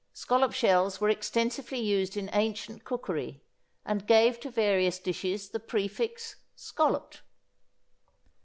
Scallop shells were extensively used in ancient cookery, and gave to various dishes the prefix "scalloped."